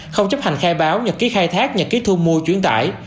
không chấp hành khai báo nhật ký khai thác nhật ký thu mua chuyển tải